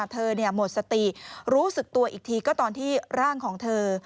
หมดสติรู้สึกตัวอีกทีก็ตอนที่ร่างของเธอ